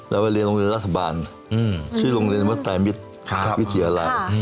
เราเรียนโรงเรียนรัฐบาลชื่อโรงเรียนวัฒนาและวิทยาลัย